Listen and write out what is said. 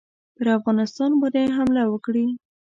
پر افغانستان باندي حمله وکړي.